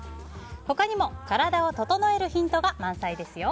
他にも、体を整えるヒントが満載ですよ。